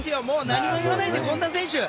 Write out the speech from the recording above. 何も言わないで権田選手。